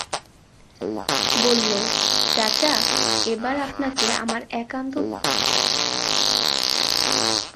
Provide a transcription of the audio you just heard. বলল, চাচা এবার আপনাকে আমার একান্ত প্রিয় দুটি জায়গাতে নিয়ে যাব।